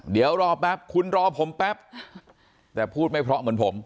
เดี๋ยวรอแป๊บคุณรอผมแป๊บแต่พูดไม่เพราะเหมือนผม